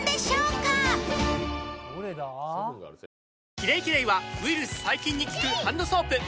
「キレイキレイ」はウイルス・細菌に効くハンドソープ！